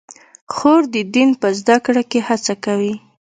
خور د دین په زده کړه کې هڅه کوي.